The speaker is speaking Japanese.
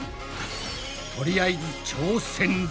とりあえず挑戦だ。